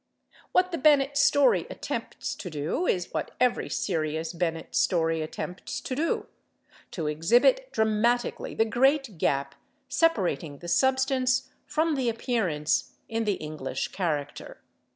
What the Bennett story attempts to do is what every serious Bennett story attempts to do: to exhibit dramatically the great gap separating the substance from the appearance in the English character.